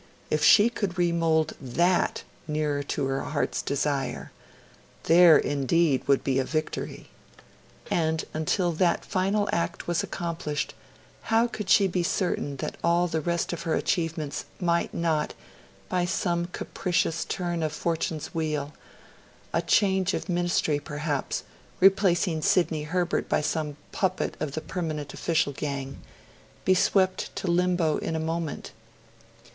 If she could remould that nearer to her heart's desire there indeed would be a victory! And until that final act was accomplished, how could she be certain that all the rest of her achievements might not, by some capricious turn of Fortune's wheel a change of Ministry, perhaps, replacing Sidney Herbert by some puppet of the permanent official gang be swept to limbo in a moment?